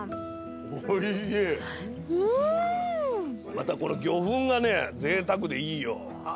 またこの魚粉がねぜいたくでいいよ。